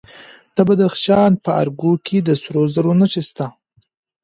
د بدخشان په ارګو کې د سرو زرو نښې شته.